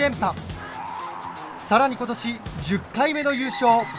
更に今年１０回目の優勝。